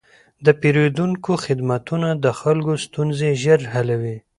د پېرودونکو خدمتونه د خلکو ستونزې ژر حلوي.